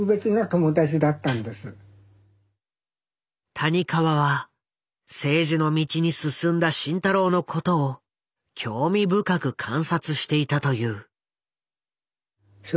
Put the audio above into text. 谷川は政治の道に進んだ慎太郎のことを興味深く観察していたという。